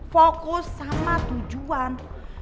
fokus sama tujuan